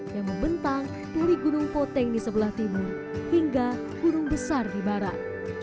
yang membentang dari gunung poteng di sebelah timur hingga gunung besar di barat